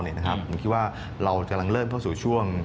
ผมคิดว่าเรากำลังเริ่มเข้าสู่ช่วง